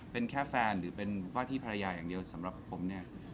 เป็นแค่แฟนหรือเป็นว่าที่ภรรยาอย่างเดียวสำหรับผมเนี่ย